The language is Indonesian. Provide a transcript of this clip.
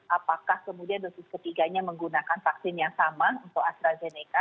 apakah kemudian dosis ketiganya menggunakan vaksin yang sama untuk astrazeneca